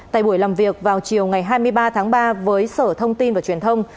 tại buổi làm việc vào chiều ngày hai mươi ba tháng ba với sở thông tin và truyền thông